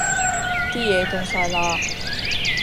啲野凍曬啦!